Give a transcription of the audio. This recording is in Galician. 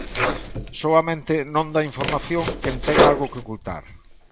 Soamente non dá información quen ten algo que ocultar.